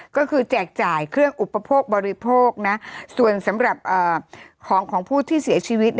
ก็คือแจกจ่ายเครื่องอุปโภคบริโภคนะส่วนสำหรับของของผู้ที่เสียชีวิต